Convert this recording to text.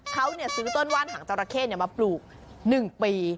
เขาเนี่ยซื้อต้นว่านหางเจ้าระเข้เนี่ยมาปลูก๑ปี